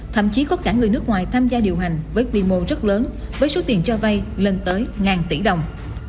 thậm chí có cả người nước ngoài tham gia điều hành với quy mô rất lớn với số tiền cho vay lên tới ngàn tỷ đồng